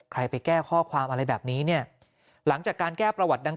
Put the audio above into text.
ไปแก้ข้อความอะไรแบบนี้เนี่ยหลังจากการแก้ประวัติดัง